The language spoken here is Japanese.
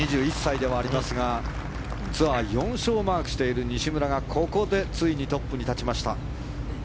２１歳ではありますがツアー４勝をマークしている西村がここでついにトップに立ちました。